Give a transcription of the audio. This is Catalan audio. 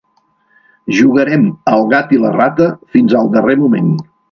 Jugarem al gat i la rata fins al darrer moment.